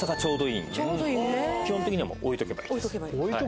基本的には置いとけばいい。